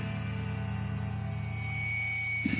うん。